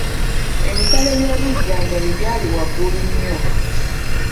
Ebisale by'obujjanjabi byali waggulu nnyo.